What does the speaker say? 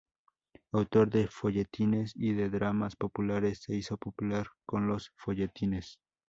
Autor de folletines y de dramas populares, se hizo popular con los folletines.